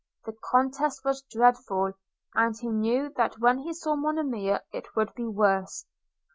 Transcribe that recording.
the contest was dreadful; and he knew that when he saw Monimia it would be worse.